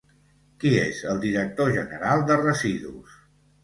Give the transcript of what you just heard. Qui és el director general de Residus?